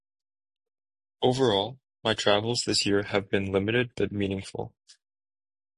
Overall, my travels this year have been limited but meaningful.